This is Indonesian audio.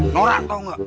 norak tau gak